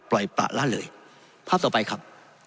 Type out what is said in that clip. ปล่อยปล่าล่าเลยภาพต่อไปครับ